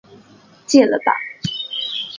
戒了吧